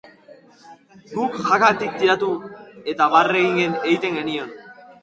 Guk jakatik tiratu eta barre egiten genion.